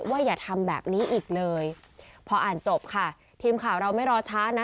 อย่าทำแบบนี้อีกเลยพออ่านจบค่ะทีมข่าวเราไม่รอช้านะ